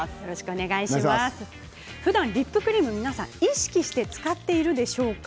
ふだんリップクリーム皆さん意識して使っているでしょうか？